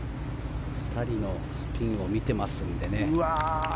２人のスピンを見てますのでね。